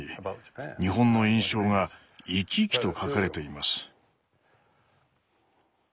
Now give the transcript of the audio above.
日本の印象が生き生きと書かれています。